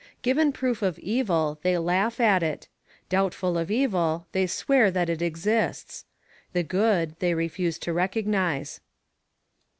Given proof of evil, they laugh at it; doubtful of evil, they swear that it exists; the good, they refuse to recognize.